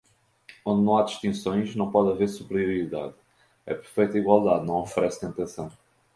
Onde não há distinções, não pode haver superioridade, a perfeita igualdade não oferece tentação.